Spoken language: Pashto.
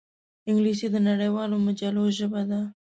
انګلیسي د نړیوالو مجلو ژبه ده